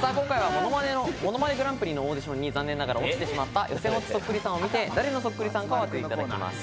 今回はものまねグランプリのオーディションに残念ながら落ちてしまった、予選落ちそっくりさんを見て、誰のそっくりさんかを当てていただきます。